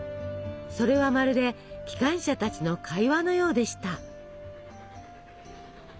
それはまるで機関車たちの会話のようでした。